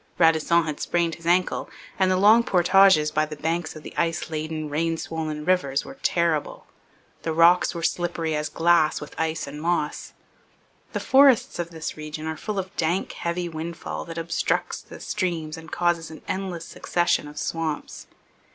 Radisson had sprained his ankle; and the long portages by the banks of the ice laden, rain swollen rivers were terrible. The rocks were slippery as glass with ice and moss. The forests of this region are full of dank heavy windfall that obstructs the streams and causes an endless succession of swamps.